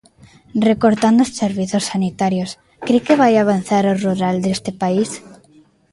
Recortando os servizos sanitarios, ¿cre que vai avanzar o rural deste país?